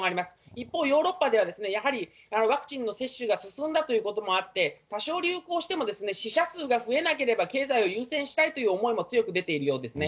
一方、ヨーロッパでは、やはり、ワクチンの接種が進んだということもあって、多少、流行しても死者数が増えなければ経済を優先したいという思いも強く出ているようですね。